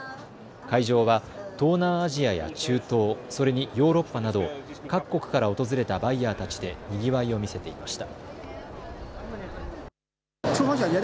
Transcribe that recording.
会場は東南アジアや中東、それにヨーロッパなど各国から訪れたバイヤーたちでにぎわいを見せていました。